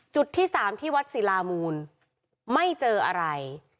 จุดที่๓ที่วัดศิลามูลไม่เจออะไร